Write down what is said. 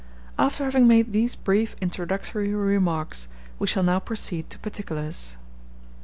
After having made these brief introductory remarks, we shall now proceed to particulars.